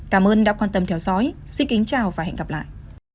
cảm ơn đã quan tâm theo dõi xin kính chào và hẹn gặp lại